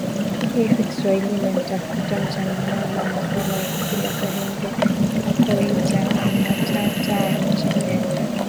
rfi kiswahili imemtafuta mchanganuzi wa masuala ya kisiasa henry okoita omutata wa nchini kenya